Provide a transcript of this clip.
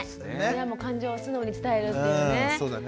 親も感情を素直に伝えるっていうね。